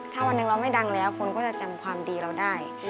ถ้าวันหนึ่งเราไม่ดังแล้วคนก็จะจำความดีเราได้